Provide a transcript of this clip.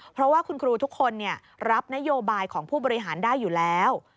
เพราะว่าคุณครูทุกคนรับนโยบายของผู้บริหารได้อยู่แล้ว